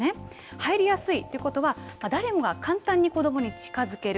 入りやすいということは誰もが簡単に子どもに近づける。